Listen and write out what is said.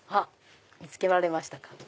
見つけられましたか。